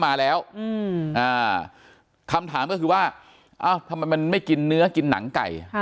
มาแล้วคำถามก็คือว่าเอ้าทำไมมันไม่กินเนื้อกินหนังไก่